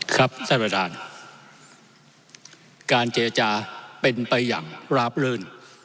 ครับท่านประธานการเจรจาเป็นไปอย่างราบลื่น